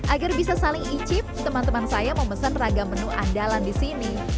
agar bisa saling icip teman teman saya memesan ragam menu andalan di sini